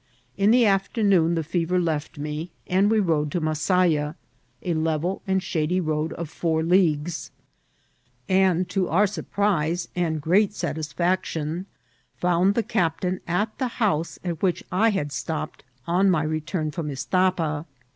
In the afternoon the fever left me, and we rode to Bfasaya, a level and shady road of four leagues, and, to our surprise and great satisfaction, found the cap tain at the house at which I had stopped on my return from Istapa.